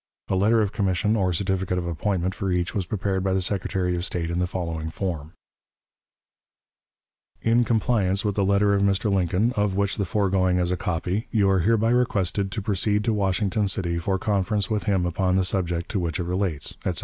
A letter of commission or certificate of appointment for each was prepared by the Secretary of State in the following form: "In compliance with the letter of Mr. Lincoln, of which the foregoing is a copy, you are hereby requested to proceed to Washington City for conference with him upon the subject to which it relates," etc.